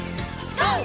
ＧＯ！